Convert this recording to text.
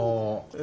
え？